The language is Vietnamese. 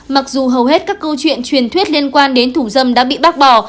mặc dù hầu hết các câu chuyện truyền thuyết liên quan đến thủ dâm đã bị bác bỏ